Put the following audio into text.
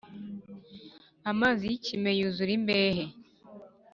Amazi y’ikime yuzura imbehe